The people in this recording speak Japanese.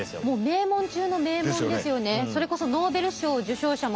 名門中の名門ですよね。